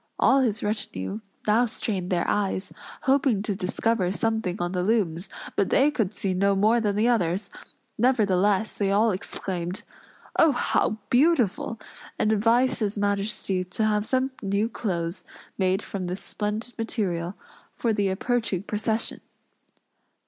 All his retinue now strained their eyes, hoping to discover something on the looms, but they could see no more than the others; nevertheless, they all exclaimed, "Oh, how beautiful!" and advised his majesty to have some new clothes made from this splendid material, for the approaching procession.